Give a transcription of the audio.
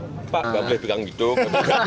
tidak boleh pegang hidup